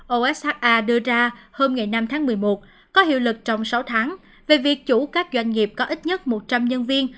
osa đưa ra hôm ngày năm tháng một mươi một có hiệu lực trong sáu tháng về việc chủ các doanh nghiệp có ít nhất một trăm linh nhân viên